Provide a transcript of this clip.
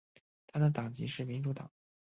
他的党籍是民主党。